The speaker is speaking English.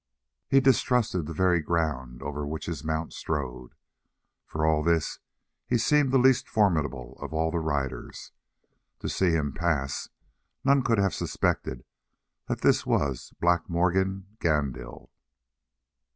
He distrusted the very ground over which his mount strode. For all this he seemed the least formidable of all the riders. To see him pass none could have suspected that this was Black Morgan Gandil.